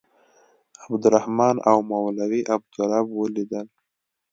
عبدالرحمن او مولوي عبدالرب ولیدل.